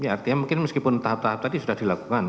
artinya mungkin meskipun tahap tahap tadi sudah dilakukan